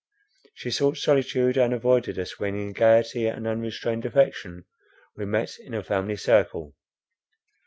She sought solitude, and avoided us when in gaiety and unrestrained affection we met in a family circle.